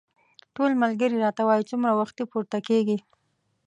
ټول ملګري راته وايي څومره وختي پورته کېږې.